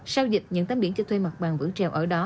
sau dịch những tám biển cho thuê mặt bằng vững trèo ở đó